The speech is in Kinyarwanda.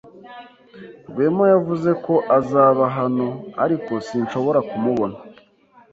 Rwema yavuze ko azaba hano, ariko sinshobora kumubona.